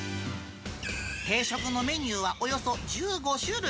定食のメニューはおよそ１５種類。